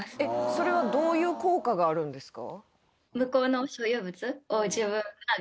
それはどういう効果があるんですか？